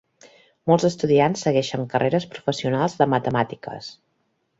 Molts estudiants segueixen carreres professionals de matemàtiques.